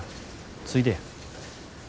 ついでや。